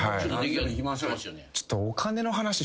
ちょっと。